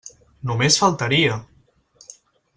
Només faltaria!